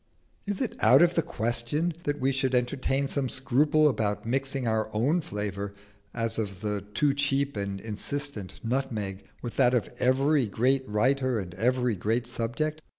Is it out of the question that we should entertain some scruple about mixing our own flavour, as of the too cheap and insistent nutmeg, with that of every great writer and every great subject?